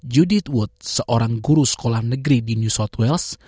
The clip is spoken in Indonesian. judit wood seorang guru sekolah negeri di new south wales